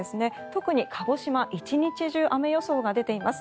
特に鹿児島１日中、雨予想が出ています。